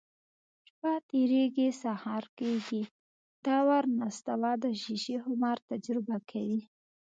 شپه تېرېږي، سهار کېږي. دا وار نستوه د شیشې خمار تجربه کوي: